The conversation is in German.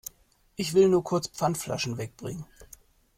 Ich will nur kurz Pfandflaschen weg bringen.